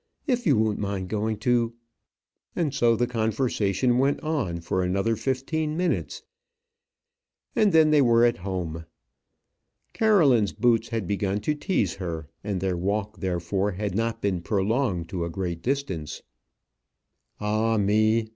If you won't mind going to " And so the conversation went on for another fifteen minutes, and then they were at home. Caroline's boots had begun to tease her, and their walk, therefore, had not been prolonged to a great distance. Ah, me!